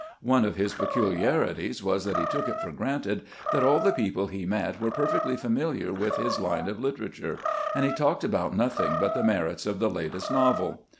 One of his peculiari ties was that he took it for granted that all the people he met were perfectly familiar with his line of literature, and he talked about nothing but the merits of the latest novel.